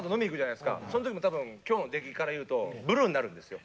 その時も多分今日の出来からいうとブルーになるんですよ。